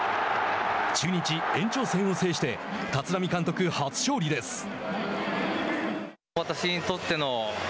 中日、延長戦を制して立浪監督、初勝利です。